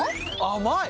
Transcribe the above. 甘い！